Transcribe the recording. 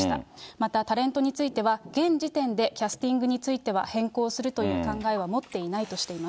またタレントについては、現時点でキャスティングについては変更するという考えは持っていないとしています。